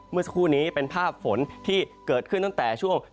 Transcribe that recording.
เมื่อสักครู่นี้เป็นภาพฝนที่เกิดขึ้นตั้งแต่ช่วง